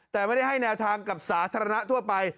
แต่ไม่ได้ให้แนวทางกับสาธารณะทั่วไป